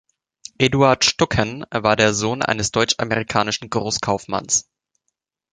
Eduard Stucken war der Sohn eines deutsch-amerikanischen Großkaufmanns.